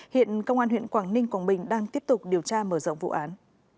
hiện công an huyện quảng ninh quảng bình đang tiếp tục điều tra mở rộng vụ án